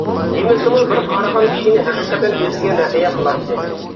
دېمىسىمۇ بىر قارىغان كىشىنى ھەقىقەتەن ئۆزىگە مەھلىيا قىلاتتى.